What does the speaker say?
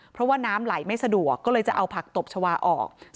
เพราะว่าน้ำไหลไม่สะดวกก็เลยจะเอาผักตบชาวาออก